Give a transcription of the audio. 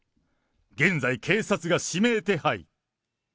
現在、警察が指名手配。